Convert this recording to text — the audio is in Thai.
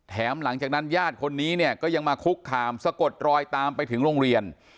หลังจากนั้นญาติคนนี้เนี่ยก็ยังมาคุกคามสะกดรอยตามไปถึงโรงเรียน